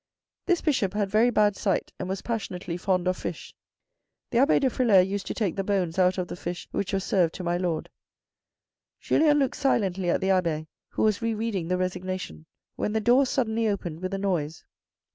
This Bishop had very bad sight, and was passionately fond of fish. The abbe de Frilair used to take the bones out of the fish which was served to my Lord. Julien looked silently at the abbe who was re reading the resignation when the door suddenly opened with a noise.